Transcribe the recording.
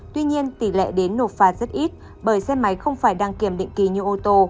tuy nhiên tỷ lệ đến nộp phạt rất ít bởi xe máy không phải đăng kiểm định kỳ như ô tô